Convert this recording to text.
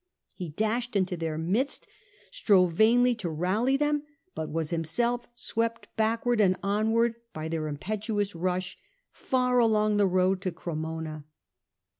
He dashed into their midst, strove vainly to rally them, but was himself swept backward and onward by their impetuous rush, far along the road to Cremona.